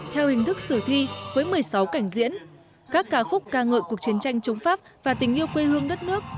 theo hình thức xử thi với một mươi sáu cảnh diễn các ca khúc ca ngợi cuộc chiến tranh chống pháp và tình yêu quê hương đất nước